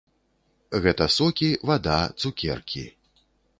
Гэта сокі, вада, цукеркі.